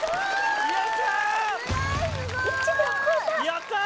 やったー！